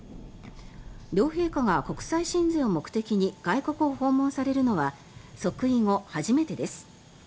両陛下が国際親善を目的に外国を訪問されるのは即位後初めてです。